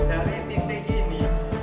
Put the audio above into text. dan trading nya ini